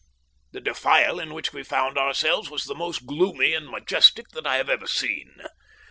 The defile in which we found ourselves was the most gloomy and majestic that I have ever seen.